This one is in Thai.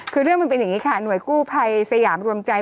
คือเรื่องมันเป็นอย่างนี้ค่ะหน่วยกู้ภัยสยามรวมใจ